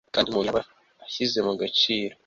kandi umuntu yaba ashyize mu gaciro